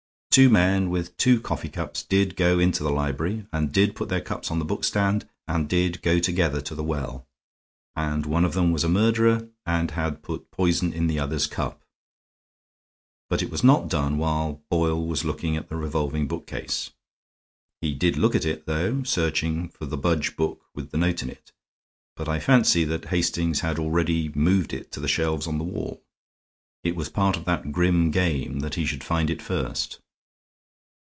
Two men with two coffee cups did go into the library and did put their cups on the bookstand and did go together to the well, and one of them was a murderer and had put poison in the other's cup. But it was not done while Boyle was looking at the revolving bookcase. He did look at it, though, searching for the Budge book with the note in it, but I fancy that Hastings had already moved it to the shelves on the wall. It was part of that grim game that he should find it first.